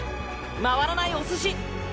回らないお寿司！